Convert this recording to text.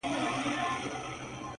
ته به ژاړې پر عمل به یې پښېمانه٫